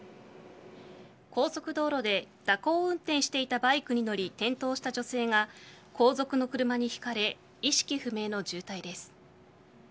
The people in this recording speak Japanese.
高速道路で蛇行運転していたバイクに乗り転倒した女性が後続の車にひかれ意識不明の重体です。